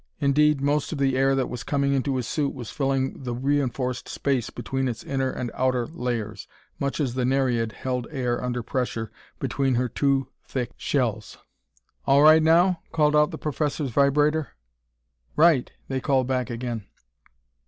Indeed, most of the air that was coming into his suit was filling the reinforced space between its inner and outer layers, much as the Nereid held air under pressure between her two thick shells. "All right now?" called out the professor's vibrator. "Right!" they called back again.